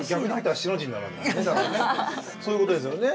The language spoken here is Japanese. そういうことですよね。